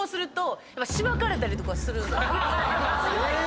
え